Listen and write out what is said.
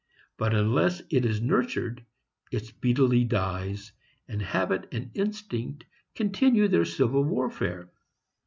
But unless it is nurtured, it speedily dies, and habit and instinct continue their civil warfare.